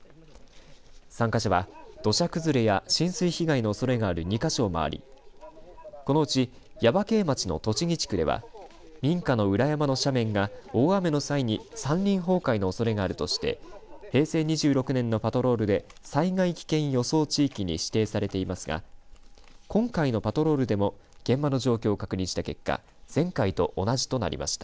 参加者は、土砂崩れや浸水被害のおそれがある２か所を回りこのうち耶馬溪町の栃木地区では民家の裏山の斜面が大雨の際に山林崩壊のおそれがあるとして平成２６年のパトロールで災害危険予想地域に指定されていますが今回のパトロールでも現場の状況を確認した結果前回と同じとなりました。